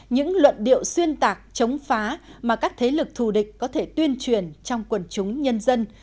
những luận điệu xuyên tạc chống phá mà các thế lực thù địch có thể tuyên truyền trong quần chúng nhân dân